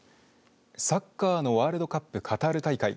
サッカーのワールドカップカタール大会